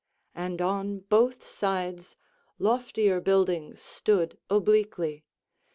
And on both sides loftier buildings stood obliquely.